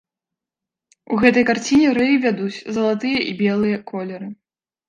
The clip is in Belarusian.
У гэтай карціне рэй вядуць залатыя і белыя колеры.